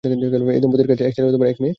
এই দম্পতির এক ছেলে ও এক মেয়ে রয়েছে।